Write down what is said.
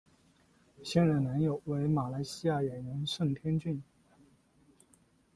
现任男友为马来西亚演员盛天俊。